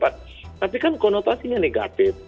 tapi kan konotasinya negatif